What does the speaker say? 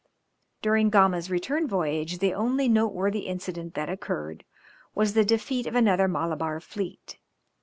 During Gama's return voyage the only noteworthy incident that occurred was the defeat of another Malabar fleet.